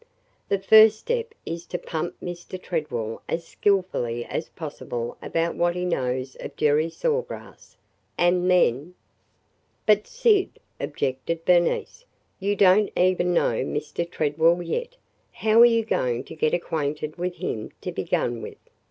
"The first step is to pump Mr. Tredwell as skilfully as possible about what he knows of Jerry Saw Grass and then –" "But Syd," objected Bernice, "you don't even know Mr. Tredwell yet. How are you going to get acquainted with him, to begun with?"